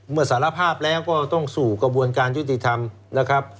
สารภาพแล้วก็ต้องสู่กระบวนการยุติธรรมนะครับ